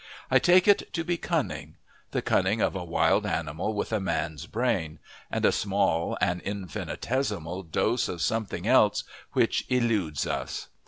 I take it to be cunning the cunning of a wild animal with a man's brain and a small, an infinitesimal, dose of something else which eludes us.